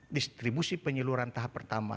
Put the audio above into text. distribusi penyaluran tahap pertama